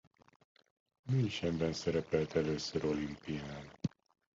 Münchenben szerepelt először olimpián.